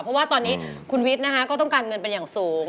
เพราะว่าตอนนี้คุณวิทย์นะคะก็ต้องการเงินเป็นอย่างสูง